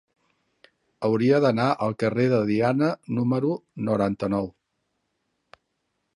Hauria d'anar al carrer de Diana número noranta-nou.